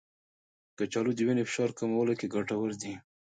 کچالو د وینې فشار کمولو کې ګټور دی.